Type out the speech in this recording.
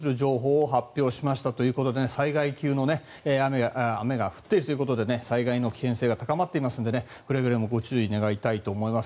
島根県に対して顕著な大雨に関する情報を発表しましたということで災害級の雨が降っているということで災害の危険性が高まっていますのでくれぐれもご注意願いたいと思います。